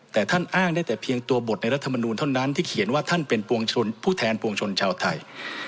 แต่ท่านอ้างได้แต่เพียงตัวบทในรัฐมนูลเท่านั้นที่เขียนว่าท่านเป็นผู้แทนปวงชนชาวไทย